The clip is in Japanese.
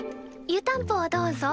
湯たんぽをどうぞ。